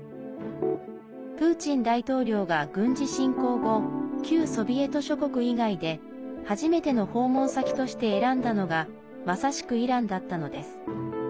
プーチン大統領が軍事侵攻後旧ソビエト諸国以外で初めての訪問先として選んだのがまさしくイランだったのです。